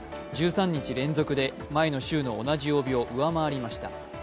１３日連続で前の週の同じ曜日を上回りました。